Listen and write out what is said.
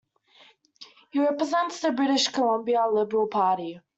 He represents the British Columbia Liberal Party.